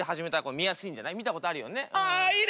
見たことあるよね？